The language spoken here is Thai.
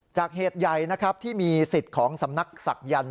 เหตุใหญ่นะครับที่มีสิทธิ์ของสำนักศักยันต์